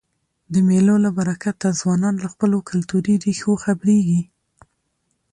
د مېلو له برکته ځوانان له خپلو کلتوري ریښو خبريږي.